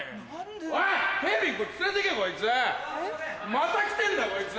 また来てんだよこいつ！